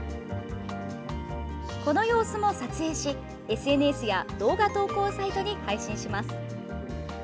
この様子も撮影し、ＳＮＳや動画投稿サイトに配信します。